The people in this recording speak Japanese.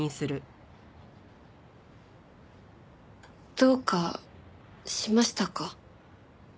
どうかしましたか？